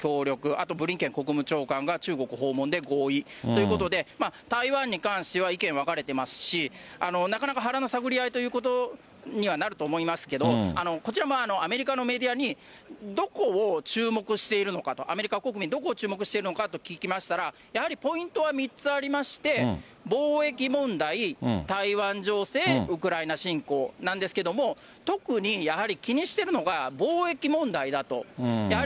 あと、ブリンケン国務長官が中国訪問で合意ということで、台湾に関しては意見分かれてますし、なかなか腹の探り合いということにはなると思いますけど、こちらもアメリカのメディアにどこを注目しているのかと、アメリカ国民、どこを注目しているのかと聞きましたら、やはりポイントは３つありまして、貿易問題、台湾情勢、ウクライナ侵攻なんですけども、特にやはり気にしてるのが貿易問題だと。